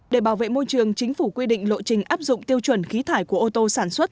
để bảo vệ môi trường chính phủ quy định lộ trình áp dụng tiêu chuẩn khí thải của ô tô sản xuất